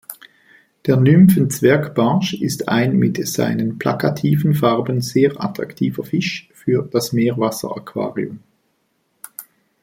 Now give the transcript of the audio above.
Der Nymphen-Zwergbarsch ist ein mit seinen plakativen Farben sehr attraktiver Fisch für das Meerwasseraquarium.